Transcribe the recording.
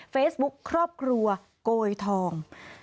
เฟซบุ๊คครอบครัวโกยทอง